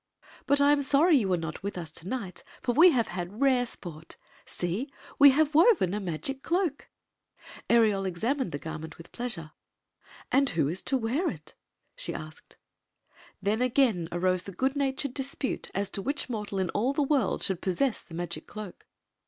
But I ?*m sorry you were not with us to night, for we have had rare ^rt See ! we have woven a magic cloak." Ereol examined the garment with pleasure. "And who is to wear it?" she asked. Then again arose the good natured dispute as to which mortal in all the world should possess the magic cloak.